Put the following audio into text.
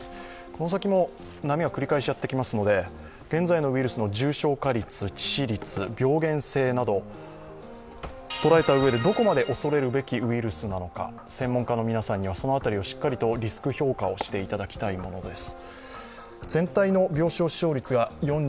この先も波はやってきますので、現在の病原性など捉えたうえで、どこまで恐れるべきウイルスなのか、専門家の皆さんにはその辺りをしっかりリスク評価してもらいたいものです。